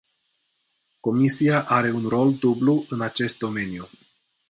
Comisia are un rol dublu în acest domeniu.